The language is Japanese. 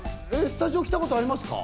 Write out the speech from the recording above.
スタジオに来たことありますか？